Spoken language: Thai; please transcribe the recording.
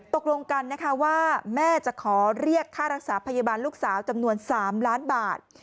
ตกลงกันนะคะว่าแม่จะขอเรียกค่ารักษาพยาบาลลูกสาวจำนวน๓ล้านบาท